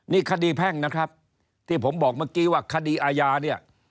นี่คดีแพ่งนะครับที่ผมบอกเมื่อกี้ว่าคดีอาญาเนี่ย